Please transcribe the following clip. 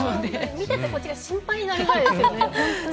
見てて、こっちが心配になるくらいですよね、ホントに。